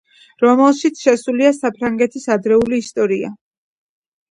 რომელშიც შესულია საფრანგეთის ადრეული ისტორია.